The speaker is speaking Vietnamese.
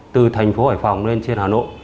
từ thành phố hải phòng lên trên hà nội